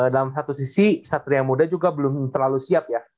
dalam satu sisi satria muda juga belum terlalu siap ya